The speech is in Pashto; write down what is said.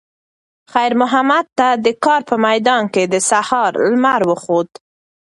خیر محمد ته د کار په میدان کې د سهار لمر وخوت.